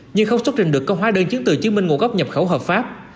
nhưng không xuất trình được công hóa đơn chứng từ chứng minh nguồn gốc nhập khẩu hợp pháp